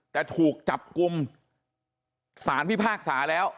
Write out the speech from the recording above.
แต่ถูกจับกลุ่มสารพิพากษาแล้ว